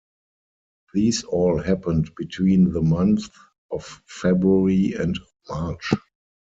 These all happened between the months of February and March.